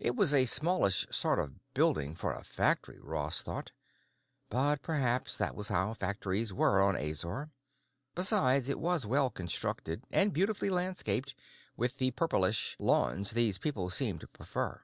It was a smallish sort of building for a factory, Ross thought, but perhaps that was how factories went on Azor. Besides, it was well constructed and beautifully landscaped with the purplish lawns these people seemed to prefer.